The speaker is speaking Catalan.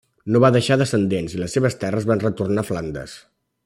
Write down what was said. No va deixar descendents i les seves terres van retornar a Flandes.